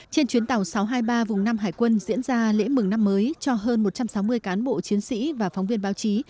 trên chuyến tàu sáu trăm hai mươi ba vùng nam hải quân diễn ra lễ mừng năm mới cho hơn một trăm sáu mươi cán bộ chiến sĩ và phóng viên báo chí